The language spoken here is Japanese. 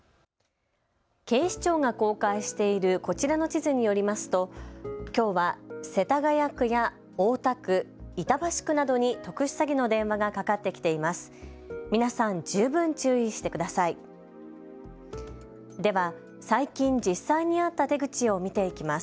警視庁が公開しているこちらの地図によりますときょうは、世田谷区や大田区、板橋区などに特殊詐欺の電話がかかってきています。